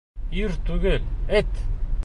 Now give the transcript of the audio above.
Ир түгел, эт!